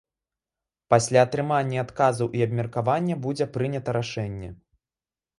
Пасля атрымання адказаў і абмеркавання будзе прынята рашэнне.